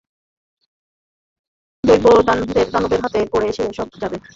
দৈত্য-দানবের হাতে পড়ে এ সব যাবে।